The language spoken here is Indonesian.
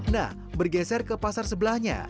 nah bergeser ke pasar sebelahnya